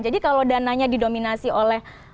jadi kalau dananya didominasi oleh